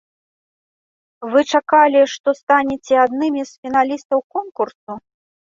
Вы чакалі, што станеце аднымі з фіналістаў конкурсу?